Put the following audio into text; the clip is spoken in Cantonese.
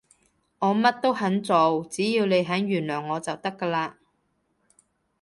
我乜都肯做，只要你肯原諒我就得㗎喇